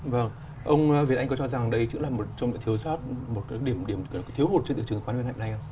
vâng ông việt anh có cho rằng đấy chứ là một trong những cái thiếu sát một cái điểm thiếu hụt trên tựa chứng khoán việt nam này không